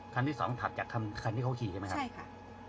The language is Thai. คันที่๒ถัดจากคันที่เขาขี่ใช่มั้ยครับ